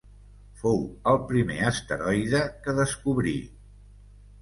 Fou el primer asteroide que descobrí.